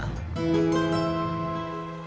saya gak suka